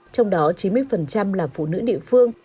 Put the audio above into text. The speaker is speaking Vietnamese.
trong đó chín mươi là phụ nữ địa phương